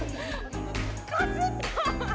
かすった！